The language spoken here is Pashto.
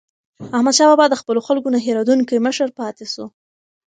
احمدشاه بابا د خپلو خلکو نه هېریدونکی مشر پاتې سو.